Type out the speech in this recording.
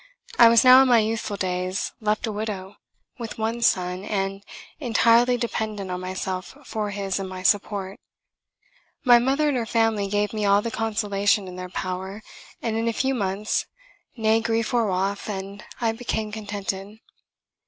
I was now in my youthful days left a widow, with one son, and entirely dependent on myself for his and my support. My mother and her family gave me all the consolation in their power, and in a few months nay grief wore off and I became contented.